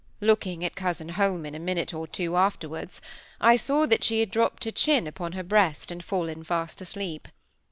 Looking at cousin Holman a minute or two afterwards, I saw that she had dropped her chin upon her breast, and had fallen fast asleep.